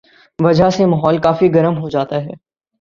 وجہ سے ماحول کافی گرم ہوجاتا ہے